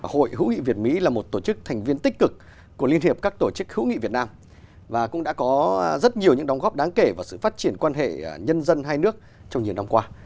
hội hữu nghị việt mỹ là một tổ chức thành viên tích cực của liên hiệp các tổ chức hữu nghị việt nam và cũng đã có rất nhiều những đóng góp đáng kể vào sự phát triển quan hệ nhân dân hai nước trong nhiều năm qua